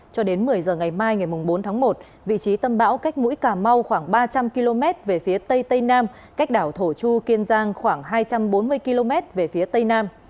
cho đến một mươi giờ ngày mai ngày bốn tháng một vị trí tâm bão cách mũi cà mau khoảng ba mươi km